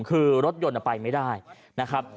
คือรถยนต์ไปไม่ได้นะครับ